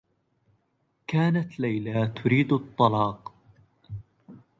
كانت ليلى تريد الطّلاق.